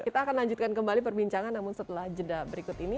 kita akan lanjutkan kembali perbincangan namun setelah jeda berikut ini